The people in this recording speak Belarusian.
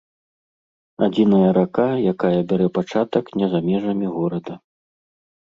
Адзіная рака, якая бярэ пачатак не за межамі горада.